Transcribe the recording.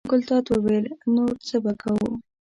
ګلداد وویل: نو څه به کوو.